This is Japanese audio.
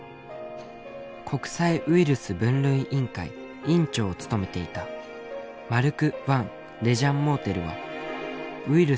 国際ウイルス分類委員会委員長を務めていたマルク・ヴァン・レジャンモーテルは」。